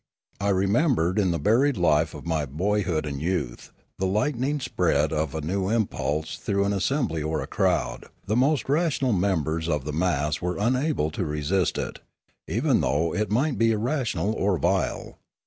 I re membered in the buried life of my boyhood and youth, the lightning spread of a new impulse through an as sembly or a crowd ; the most rational members of the mass were unable to resist it, even though it might be irrational or vile.